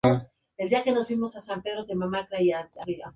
Fue conde de Urgel y Cerdaña.